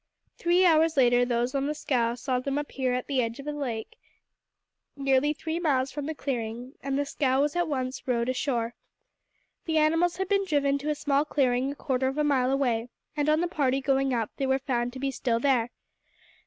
Three hours later those on the scow saw them appear at the edge of the lake nearly three miles from the clearing, and the scow was at once rowed ashore. The animals had been driven to a small clearing a quarter of a mile away, and on the party going up they were found to be still there.